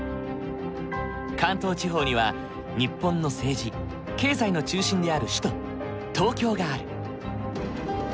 関東地方には日本の政治経済の中心である首都東京がある。